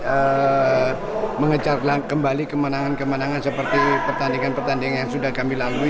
dan mengejar kembali kemenangan kemenangan seperti pertandingan pertandingan yang sudah kami lalui